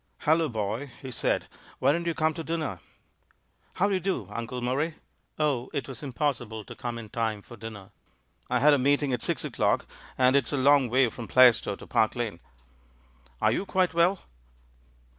"Hallo, boy!" he said. "Why didn't you come to dinner?'* "How do you do, Uncle Murray? Oh, it was impossible to come in time for dinner. I had a Meeting at six o'clock — and it's a long way from Plaistow to Park Lane. Are you quite well?"